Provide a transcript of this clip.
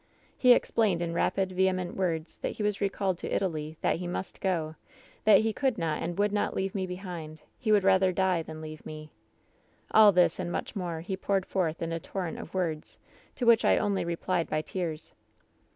"He explained in rapid, vehement words that he was recalled to Italy ; that he must go ; that he could not and would not leave me behind; he would rather die than leave me. "All this, and much more, he poured forth in a tor rent of words, to which I only replied by tears.